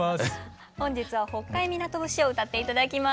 本日は「北海港節」を歌って頂きます。